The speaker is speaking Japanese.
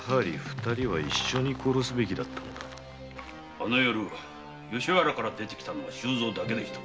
あの夜吉原から出てきたのは周蔵だけでした。